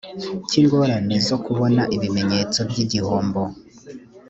cy ingorane zo kubona ibimenyetso by igihombo